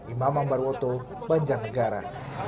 imam ambarwoto banjar negara